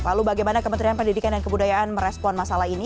lalu bagaimana kementerian pendidikan dan kebudayaan merespon masalah ini